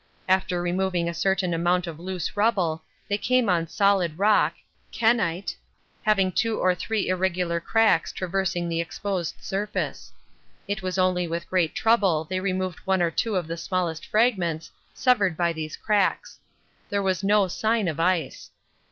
After removing a certain amount of loose rubble they came on solid rock, kenyte, having two or three irregular cracks traversing the exposed surface. It was only with great trouble they removed one or two of the smallest fragments severed by these cracks. There was no sign of ice.